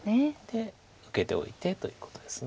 で受けておいてということです。